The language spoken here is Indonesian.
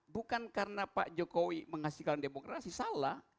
bukan karena pak jokowi menghasilkan demokrasi salah